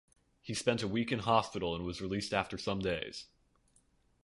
He spent a week in hospital, and was released after some days.